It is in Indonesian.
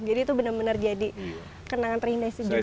jadi itu benar benar jadi kenangan terindah sih juga ya kang